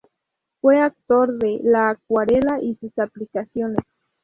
Fue autor de "La acuarela y sus aplicaciones".